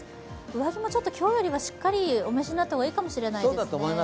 上着も今日よりはしっかりお召しになった方がいいかもしれないですね。